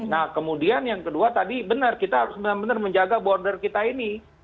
nah kemudian yang kedua tadi benar kita harus benar benar menjaga border kita ini